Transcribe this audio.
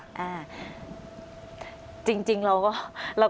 สวัสดีครับ